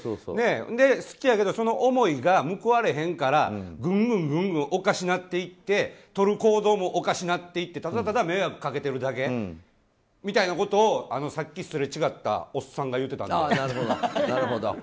好きやけどその思いが報われへんからぐんぐんおかしくなっていってとる行動もおかしくなっていってただただ迷惑かけてるだけみたいなことをさっきすれ違ったおっさんが言うてたんです。